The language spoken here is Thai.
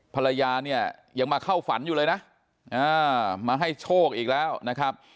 ภรรยาเนี่ยยังมาเข้าฝันอยู่เลยนะมาให้โชคอีกแล้วนะครับ